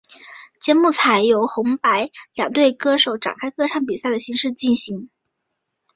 节目采由红白两队歌手展开歌唱比赛的形式进行。